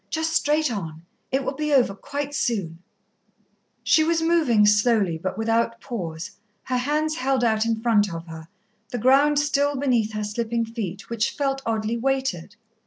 Just straight on it will be over quite soon " She was moving, slowly, but without pause, her hands held out in front of her, the ground still beneath her slipping feet, which felt oddly weighted.